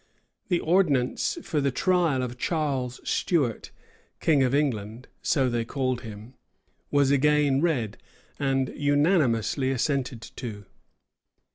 The ordinance for the trial of Charles Stuart, king of England, (so they called him,) was again read, and unanimously assented to.